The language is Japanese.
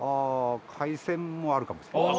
海鮮もあるかもしれない。